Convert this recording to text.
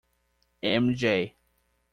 M. J.